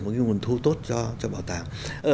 một cái nguồn thu tốt cho bảo tàng